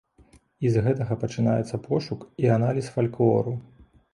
І з гэтага пачынаецца пошук і аналіз фальклору.